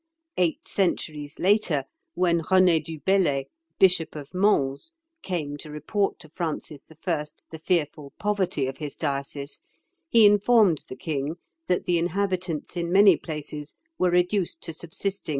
Eight centuries later, when René du Bellay, Bishop of Mans, came to report to Francis I. the fearful poverty of his diocese, he informed the king that the inhabitants in many places were reduced to subsisting on acorn bread.